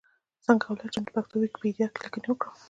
څنګه کولای شم چې پښتو ويکيپېډيا کې ليکنې وکړم؟